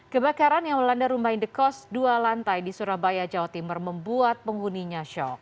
kebakaran yang melanda rumah indekos dua lantai di surabaya jawa timur membuat penghuninya shock